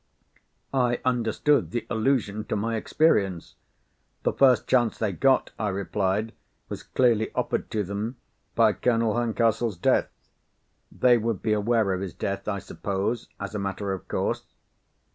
I understood the allusion to my experience. "The first chance they got," I replied, "was clearly offered to them by Colonel Herncastle's death. They would be aware of his death, I suppose, as a matter of course?"